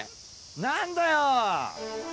なんだよー！